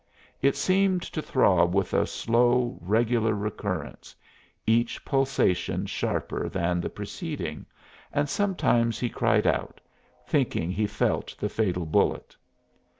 It seemed to throb with a slow, regular recurrence, each pulsation sharper than the preceding, and sometimes he cried out, thinking he felt the fatal bullet.